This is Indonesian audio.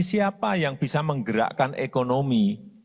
siapa yang bisa menggerakkan ekonomi